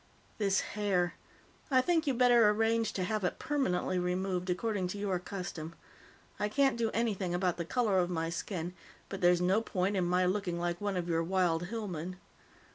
"This hair. I think you'd better arrange to have it permanently removed, according to your custom. I can't do anything about the color of my skin, but there's no point in my looking like one of your wild hillmen."